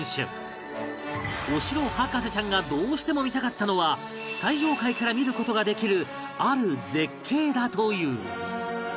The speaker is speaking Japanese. お城博士ちゃんがどうしても見たかったのは最上階から見る事ができるある絶景だという